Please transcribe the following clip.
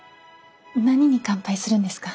何に乾杯するんですか？